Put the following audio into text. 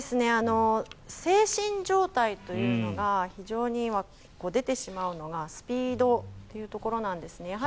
精神状態というのが非常に出てしまうのがスピードというところなんですね。